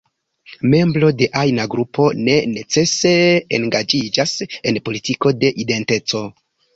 Membro de ajna grupo ne necese engaĝiĝas en politiko de identeco.